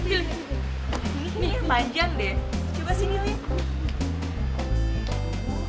ini mah manjang deh coba sini nih